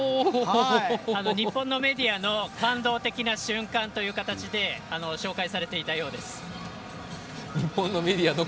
日本のメディアの感動的な瞬間という形で紹介されていたようです。